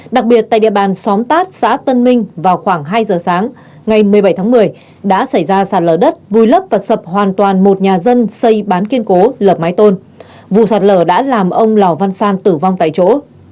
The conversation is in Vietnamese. đặc biệt tại địa bàn xóm tát xã tân minh vào khoảng hai giờ sáng ngày một mươi bảy tháng một mươi đã xảy ra sạt lở đất vùi lấp và sập hoàn toàn một nhà dân xây bán kiên cố lợp mái tôn vụ sạt lở đã làm ông lò văn san tử vong tại chỗ